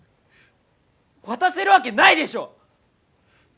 渡せるわけないでしょ！